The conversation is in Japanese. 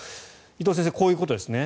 伊藤先生、こういうことですね。